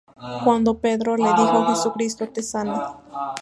Cuando Pedro le dijo: ""...Jesucristo te sana.